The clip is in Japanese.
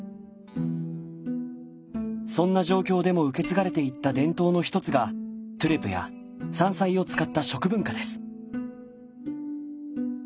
そんな状況でも受け継がれていった伝統の一つがトゥレや山菜を使った食文化です。